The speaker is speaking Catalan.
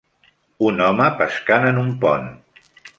Un home pescant en un pont.